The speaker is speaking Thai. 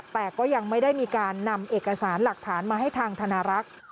แต่ก็ยังไม่ได้มีการนำเอกสารหลักฐานมาให้ทางธนารักษ์